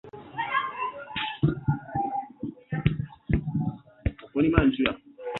The father was then an officer in the Turku County Infantry Regiment.